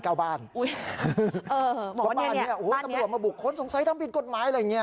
อุ๊ยบ้านนี้ตำรวจมาบุกค้นสงสัยทำผิดกฎหมายอะไรอย่างนี้